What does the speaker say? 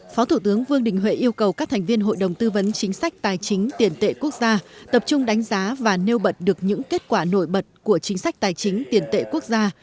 phó thủ tướng vương đình huệ yêu cầu các thành viên hội đồng tư vấn chính sách tài chính tiền tệ quốc gia tập trung đánh giá và nêu bật được những kết quả nổi bật của chính sách tài chính tiền tệ quốc gia